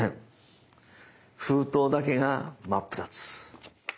封筒だけが真っ二つ！